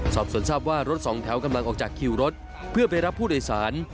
สอบส่วนทราบว่ารถสองแถวกำลังออกจากคิวรถเพื่อไปรับผู้โดยสาร